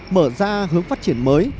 mở ra hướng phát triển mới